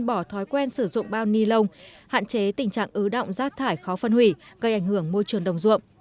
bỏ thói quen sử dụng bao ni lông hạn chế tình trạng ứ động rác thải khó phân hủy gây ảnh hưởng môi trường đồng ruộng